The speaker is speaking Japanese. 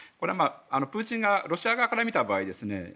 プーチン側ロシア側から見た場合ですね